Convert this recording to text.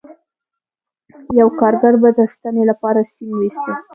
یوه کارګر به د ستنې لپاره سیم ویسته